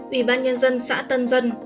ủy ban nhân dân xã tân dân